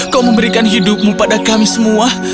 kau memberikan hidupmu pada kami semua